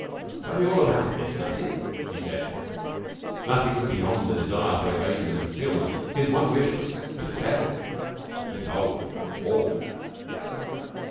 'Tell me all about this, Nutty,' she said. Nutty was beyond the desire for evasion and concealment. His one wish was to tell. He told all.